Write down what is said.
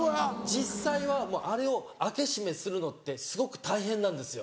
実際はあれを開け閉めするのってすごく大変なんですよ。